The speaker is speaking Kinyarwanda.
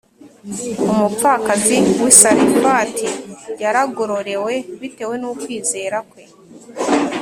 Umupfakazi w i Sarefati yaragororewe bitewe n ukwizera kwe